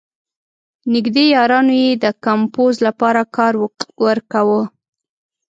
نېږدې یارانو یې د کمپوز لپاره کار ورکاوه.